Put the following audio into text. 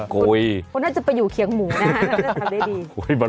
คนน่าจะไปอยู่เคียงหมูนะฮะ